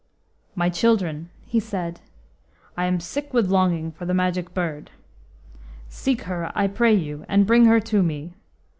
"My children," he said, "I am sick with longing for the Magic Bird. Seek her, I pray you, and bring her to me.